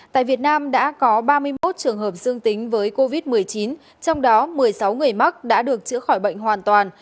tại việt nam đã có ba mươi một trường hợp dương tính với covid một mươi chín trong đó một mươi sáu người mắc đã được chữa khỏi bệnh hoàn toàn